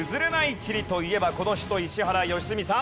地理といえばこの人石原良純さん。